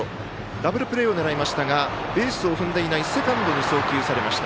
ダブルプレーを狙いましたがベースを踏んでいないセカンドに送球されました。